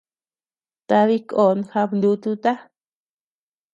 Tadï kon jabnututa.